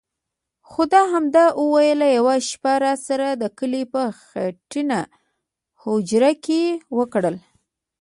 خو ده همدا ویل: یوه شپه راسره د کلي په خټینه هوجره کې وکړئ.